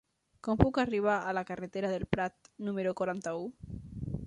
Com puc arribar a la carretera del Prat número quaranta-u?